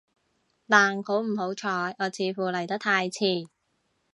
但好唔好彩，我似乎嚟得太遲